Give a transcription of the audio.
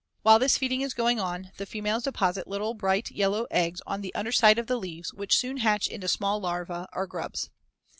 While this feeding is going on, the females deposit little, bright yellow eggs on the under side of the leaves, which soon hatch into small larvae or grubs.